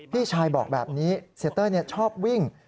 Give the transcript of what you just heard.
พี่ชายบอกแบบนี้เสียเต้ยชอบวิ่ง